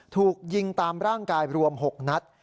ถูกยิงตามร่างกายรวม๖นัด